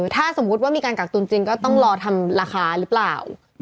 ถ้าสมมุติว่ามีการกักตุนจริงก็ต้องรอทำราคาหรือเปล่า